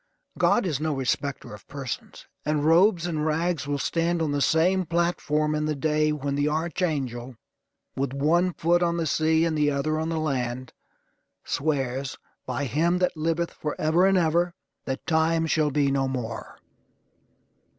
God is no respecter of persons; and robes and rags will stand on the same platform in the day when the archangel, with one foot on the sea and the other on the land, swears, by Him that liveth forever and ever, that Time shall be no more.